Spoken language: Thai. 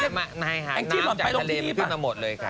ในหางน้ำจากทะเลขึ้นมาหมดเลยค่ะ